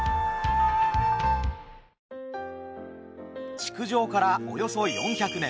築城からおよそ４００年。